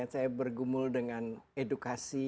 saya bergumul dengan edukasi